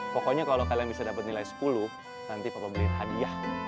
pokoknya kalau kalian bisa dapat nilai sepuluh nanti papa beli hadiah